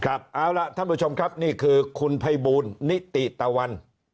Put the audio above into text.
ครับเอาละท่านผู้ชมครับนี่คือคุณไพบูลนิติตาวรรณ